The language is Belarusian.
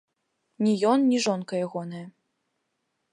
Ні ён, ні жонка ягоная.